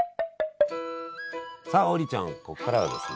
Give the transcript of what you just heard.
さあ王林ちゃんこっからはですね